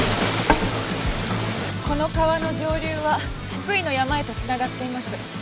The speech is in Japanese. この川の上流は福井の山へと繋がっています。